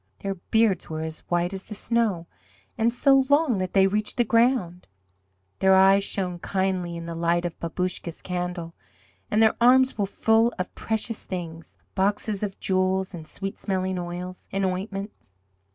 Their beards were as white as the snow, and so long that they reached the ground. Their eyes shone kindly in the light of Babouscka's candle, and their arms were full of precious things boxes of jewels, and sweet smelling oils, and ointments.